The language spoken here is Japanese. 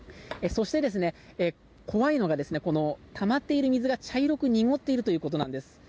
そして、怖いのがたまっている水が茶色く濁っていることです。